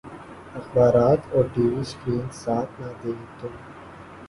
اخبارات اور T V screen ساتھ نہ دے تو